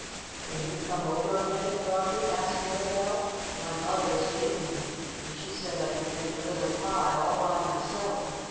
"Can you come over a minute, Doro thy ?" asked Mirabell. "My mother is baking, and she said I could make a little pie all by myself.